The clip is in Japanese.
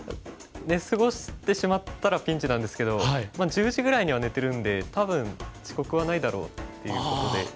寝過ごしてしまったらピンチなんですけどまあ１０時ぐらいには寝てるんで多分遅刻はないだろうっていうことで。